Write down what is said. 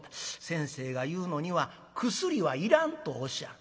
先生が言うのには薬はいらんとおっしゃる。